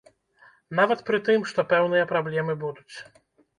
Нават пры тым, што пэўныя праблемы будуць.